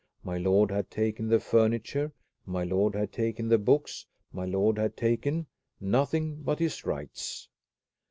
My lord had taken the furniture; my lord had taken the books; my lord had taken nothing but his rights.